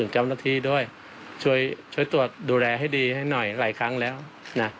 ช่วยช่วยตรวจดูแลให้ดีให้หน่อยหลายครั้งแล้วน่ะ